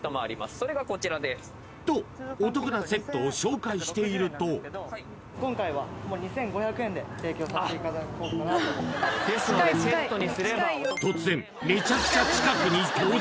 それがこちらですとお得なセットを紹介していると今回はもう２５００円で提供させていただこうかなと思ってますですのでセットにすれば突然めちゃくちゃ近くに登場！